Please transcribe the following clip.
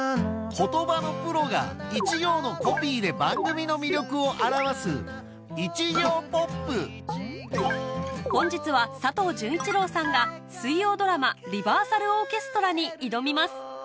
言葉のプロが一行のコピーで番組の魅力を表す本日は佐藤潤一郎さんが水曜ドラマ『リバーサルオーケストラ』に挑みます